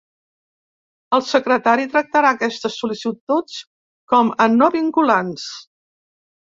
El Secretari tractarà aquestes sol·licituds com a no vinculants.